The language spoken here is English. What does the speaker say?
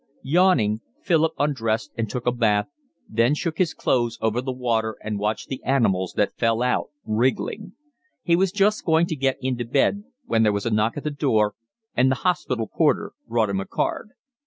Yawning, Philip undressed and took a bath, then shook his clothes over the water and watched the animals that fell out wriggling. He was just going to get into bed when there was a knock at the door, and the hospital porter brought him a card.